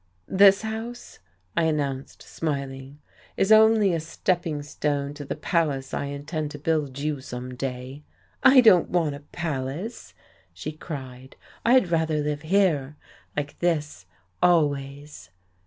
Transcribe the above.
"This house," I announced, smiling, "is only a stepping stone to the palace I intend to build you some day." "I don't want a palace!" she cried. "I'd rather live here, like this, always."